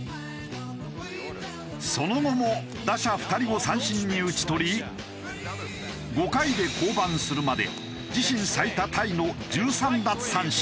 その後も打者２人を三振に打ち取り５回で降板するまで自身最多タイの１３奪三振。